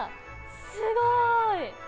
すごい。